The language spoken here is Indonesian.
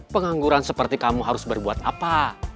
pengangguran seperti kamu harus berbuat apa